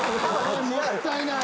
もったいない。